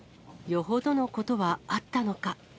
よほどのことはあったのか。